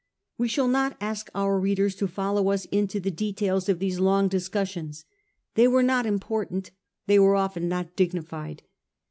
We shall not ask our readers to follow us into the details of these long discussions. They were not important ; they were often not dignified.